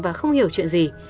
và không hiểu chuyện gì